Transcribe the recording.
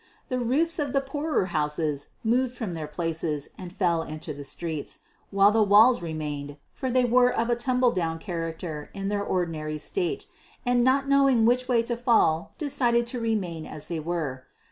The roofs of all the poorer houses moved from their places and fell into the streets, while the walls remained, for they were of a tumble down character in their ordinary state, and not knowing which way to fall decided to remain as they were.